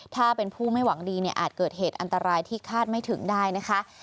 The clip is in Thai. ถ้าเป็นผู้ไม่หวังดีเนี่ยอาจเกิดเหตุอันตรายที่คาดไม่ถึงได้นะคะ